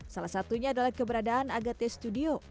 salah satunya adalah keberadaan agate studio